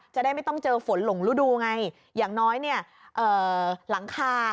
จะได้ไม่ต้องเจอฝนหลงฤดูไงอย่างน้อยเนี่ยเอ่อหลังคา